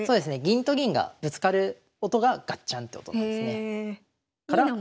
銀と銀がぶつかる音がガッチャンって音なんですね。